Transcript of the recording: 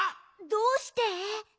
どうして？